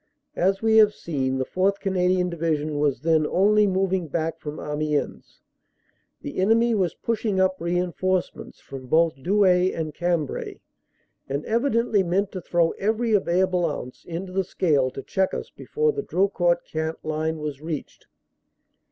As we have seen, the 4th. Canadian Division was then only moving back from Amiens. The enemy was pushing up reinforcements from both Douai and Cambrai and evidently meant to throw every available ounce into the scale to check us before the Drocourt Queant line was reached.